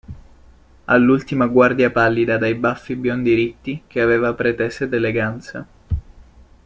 All'ultima guardia pallida dai baffi biondi ritti, che aveva pretese d'eleganza.